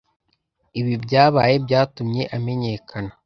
Ibi byabaye byatumye amenyekana.